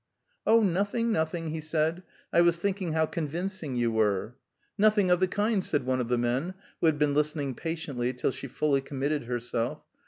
"Oh, nothing, nothing!" he said. "I was thinking how convincing you were!" "Nothing of the kind!" said one of the men, who had been listening patiently till she fully committed herself.